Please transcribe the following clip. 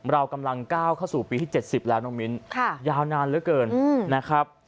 เรากำลังก้าวเข้าสู่ปีที่๗๐แล้วน้องมิ้นยาวนานเหลือเกินนะครับ